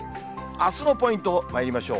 あすのポイント、まいりましょう。